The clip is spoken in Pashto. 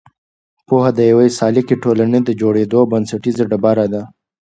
پوهه د یوې سالکې ټولنې د جوړېدو بنسټیزه ډبره ده.